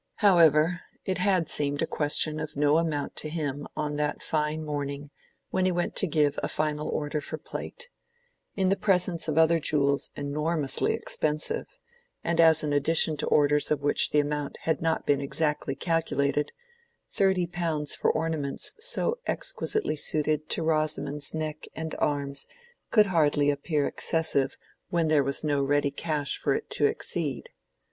However, it had seemed a question of no moment to him on that fine morning when he went to give a final order for plate: in the presence of other jewels enormously expensive, and as an addition to orders of which the amount had not been exactly calculated, thirty pounds for ornaments so exquisitely suited to Rosamond's neck and arms could hardly appear excessive when there was no ready cash for it to exceed.